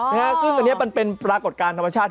ซึ่งอันนี้มันเป็นปรากฏการณ์ธรรมชาติ